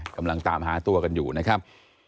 กำลังตามหาตัวกันอยู่นะครับ